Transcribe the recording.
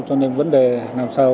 cho nên vấn đề làm sao